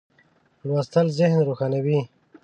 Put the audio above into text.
لوستل ذهن روښانوي.